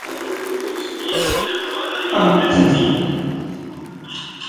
El Benfica es el club más laureado de Portugal.